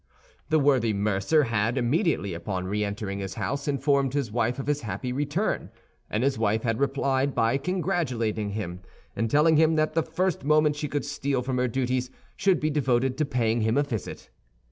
The worthy mercer had, immediately upon re entering his house, informed his wife of his happy return, and his wife had replied by congratulating him, and telling him that the first moment she could steal from her duties should be devoted to paying him a visit.